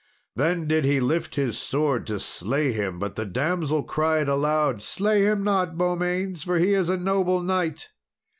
Then did he lift his sword to slay him; but the damsel cried aloud, "Slay him not, Beaumains, for he is a noble knight."